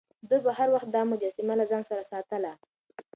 ده به هر وخت دا مجسمه له ځان سره ساتله.